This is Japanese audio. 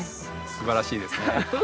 すばらしいですね。